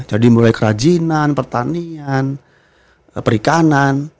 jadi mulai kerajinan pertanian perikanan